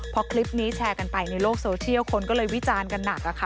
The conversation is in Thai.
พอคลิปนี้แชร์กันไปในโลกโซเชียลคนก็เลยวิจารณ์กันหนักค่ะ